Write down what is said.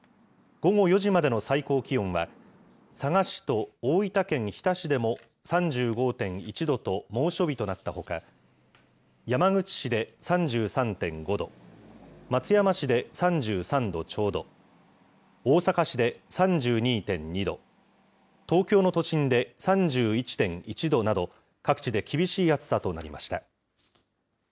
午後４時までの最高気温は、佐賀市と大分県日田市でも３５．１度と猛暑日となったほか、山口市で３３．５度、松山市で３３度ちょうど、大阪市で３２．２度、東京の都心で３１．１度など、各地で厳しい暑さとなりました。